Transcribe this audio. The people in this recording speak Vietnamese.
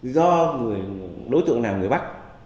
do đối tượng nào người bắc